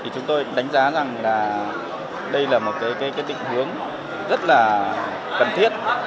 chúng tôi đánh giá rằng đây là một tình hướng rất là cần thiết